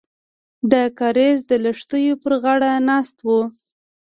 د کاریز د لښتیو پر غاړه ناست وو.